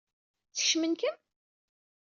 Skecmen-kem?